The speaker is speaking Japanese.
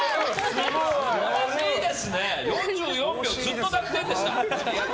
すごい！４４秒、ずっと濁点でした。